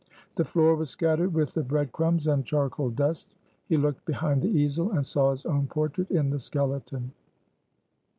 The floor was scattered with the bread crumbs and charcoal dust; he looked behind the easel, and saw his own portrait, in the skeleton.